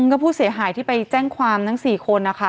ก็ผู้เสียหายที่ไปแจ้งความทั้ง๔คนนะคะ